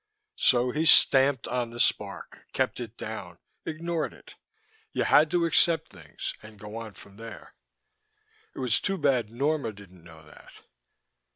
So he stamped on the spark, kept it down, ignored it. You had to accept things, and go on from there. It was too bad Norma didn't know that.